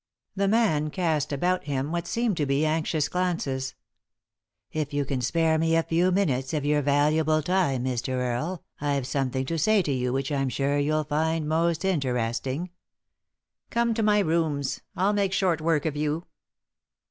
The man cast about him what seemed to be anxious glances, " If you can spare me a few minutes of your valu able time, Mr. Earle, I've something to say to you which I'm sure you'll find most interesting." " Come to my rooms ; I'll make short work of yon."